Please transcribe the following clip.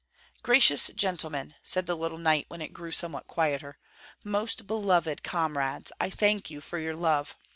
"Gracious gentlemen," said the little knight when it grew somewhat quieter, "most beloved comrades, I thank you for your love.